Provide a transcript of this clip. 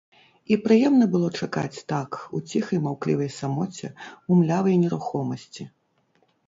І прыемна было чакаць так, у ціхай маўклівай самоце, у млявай нерухомасці.